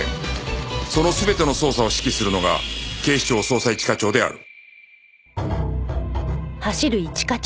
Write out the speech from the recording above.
その全ての捜査を指揮するのが警視庁捜査一課長である